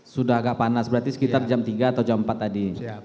sudah agak panas berarti sekitar jam tiga atau jam empat tadi